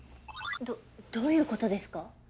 どどういうことですか？